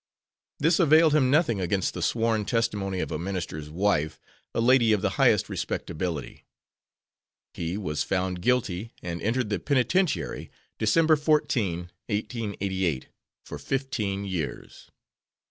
This availed him nothing against the sworn testimony of a ministers wife, a lady of the highest respectability. He was found guilty, and entered the penitentiary, December 14, 1888, for fifteen years.